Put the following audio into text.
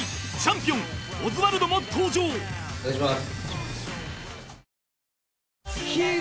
更にお願いします。